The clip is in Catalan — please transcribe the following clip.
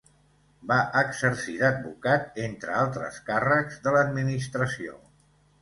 Va exercir d'advocat entre altres càrrecs de l'administració.